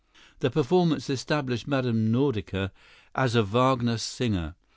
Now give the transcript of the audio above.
The performance established Mme. Nordica as a Wagner singer.